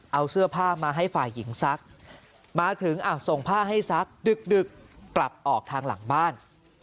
เอาเสื้อผ้ามาให้ฝ่ายหญิงซักมาถึงส่งผ้าให้ซักดึกกลับออกทางหลังบ้าน